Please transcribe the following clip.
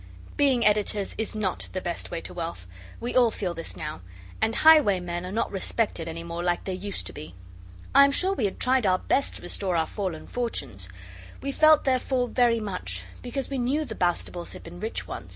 Being editors is not the best way to wealth. We all feel this now, and highwaymen are not respected any more like they used to be. I am sure we had tried our best to restore our fallen fortunes. We felt their fall very much, because we knew the Bastables had been rich once.